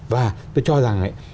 và tôi cho rằng ấy